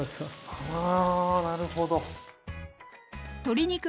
はあなるほど。